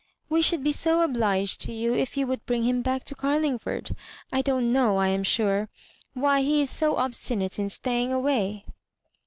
We should be so obliged to you if you would bring him back to Carlingford. I don't know, I ana sure, why he is so obstinate in staying away."